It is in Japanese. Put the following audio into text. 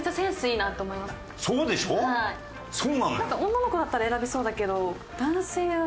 女の子だったら選びそうだけど男性は。